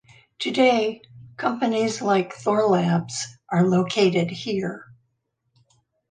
Today, companies like Thorlabs, are located here.